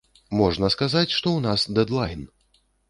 Можна сказаць, што ў нас дэд-лайн.